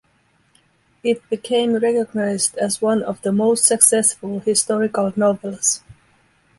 It became recognised as one of the most successful historical novels.